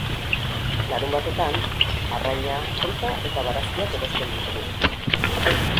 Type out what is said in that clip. Larunbatetan, arraina, fruta eta barazkiak erosten ditugu.